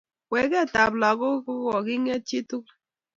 waketab lagook kogingeet chii tugul